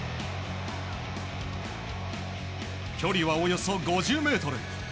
距離はおよそ５０ｍ。